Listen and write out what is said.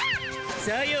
さよう。